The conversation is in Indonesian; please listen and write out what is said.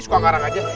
suka karang aja